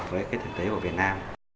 với cái thực tế của việt nam